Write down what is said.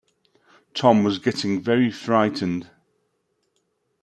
Tom was getting very frightened!